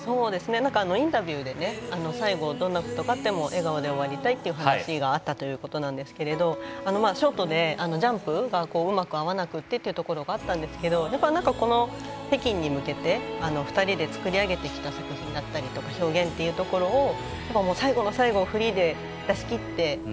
インタビューで最後、どんなことがあっても笑顔で終わりたいという話があったということですがショートでジャンプがうまく合わないということがあったんですけど北京に向けて２人で作り上げてきた作品だったり表現というところを最後の最後、フリーで出し切って。